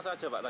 ke ruangan mana